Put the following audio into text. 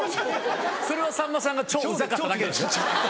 それはさんまさんが超うざかっただけでしょ。